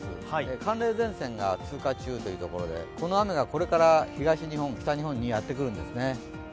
寒冷前線が通過中というところで、この雨がこれから東日本、北日本にやってくるんですね。